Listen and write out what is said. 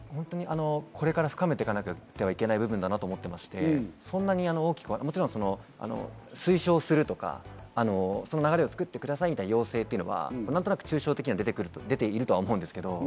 これから深めていかなくてはいけない部分だと思っていまして、推奨するとか、そういう流れを作ってくださいみたいな要請は抽象的には出ているとは思うんですけど。